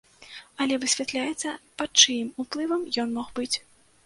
Але высвятляецца, пад чыім уплывам ён мог быць.